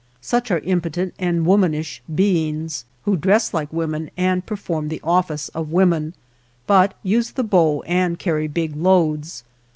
Such are impotent and womanish beings, who dress like women and perform the office of women, but use the bow and carry big loads.